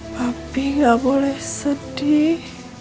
papi gak boleh sedih